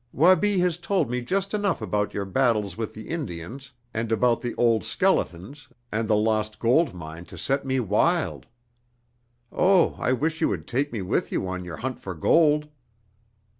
Wabi has told me just enough about your battles with the Indians and about the old skeletons and the lost gold mine to set me wild. Oh, I wish you would take me with you on your hunt for gold!"